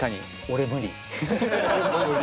俺無理。